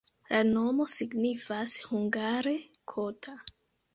La nomo signifas hungare kota.